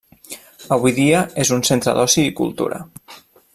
Avui dia és un centre d'oci i cultura.